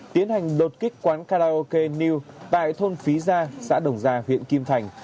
tiến hành đột kích quán karaoke new tại thôn phí gia xã đồng gia huyện kim thành